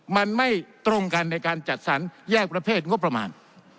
มันไม่ตรงกันในการจัดสรรแยกประเภทงบประมาณ